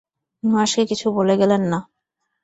নুহাশকে কিছু বলে গেলেন না।